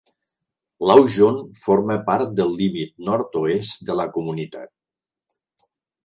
L'Aujon forma part del límit nord-oest de la comunitat.